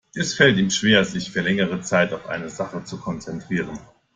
Es fällt ihm schwer, sich für längere Zeit auf eine Sache zu konzentrieren.